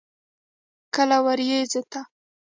کله ورېځو ته.